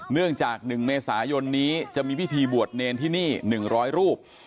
เนื่องจากหนึ่งเมษายนนี้จะมีพิธีบวชเนรที่นี่หนึ่งร้อยรูป